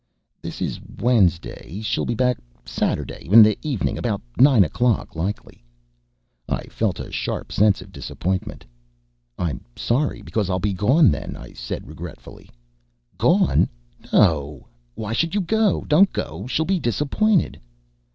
"This is Wednesday. She'll be back Saturday, in the evening about nine o'clock, likely." I felt a sharp sense of disappointment. "I'm sorry, because I'll be gone then," I said, regretfully. "Gone? No why should you go? Don't go. She'll be disappointed."